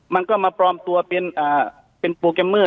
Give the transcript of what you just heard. มันก็มาปลอมตัวเป็นโปรแกรมเมอร์